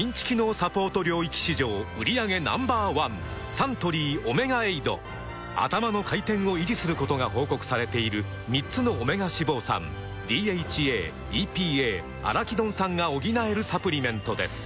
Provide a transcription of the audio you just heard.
サントリー「オメガエイド」「アタマの回転」を維持することが報告されている３つのオメガ脂肪酸ＤＨＡ・ＥＰＡ・アラキドン酸が補えるサプリメントです